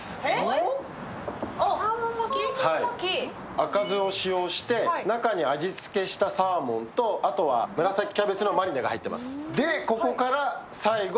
赤酢を使用して、中に味付けしたサーモンとあとは紫キャベツのマリネが入ってます。